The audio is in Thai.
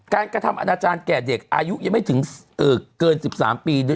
กระทำอนาจารย์แก่เด็กอายุยังไม่ถึงเกิน๑๓ปี